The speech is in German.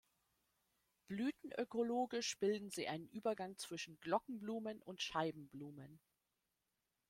Blütenökologisch bilden sie einen Übergang zwischen „Glockenblumen“ und „Scheibenblumen“.